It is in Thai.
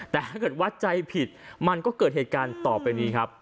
แต่ถ้าเกิดวัดใจผิดมันก็เกิดเหตุการณ์ต่อไปนี้ครับ